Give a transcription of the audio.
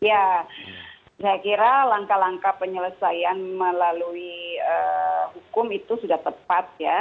ya saya kira langkah langkah penyelesaian melalui hukum itu sudah tepat ya